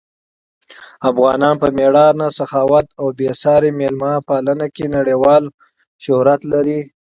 افغانان په مېړانه، سخاوت او بې ساري مېلمه پالنه کې نړیوال شهرت لري.